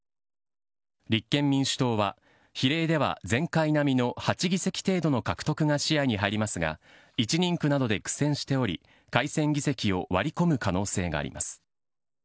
立憲民主党は、比例では前回並みの８議席程度の獲得が視野に入りますが１人区などで苦戦しており改選議席を割り込む可能性があります。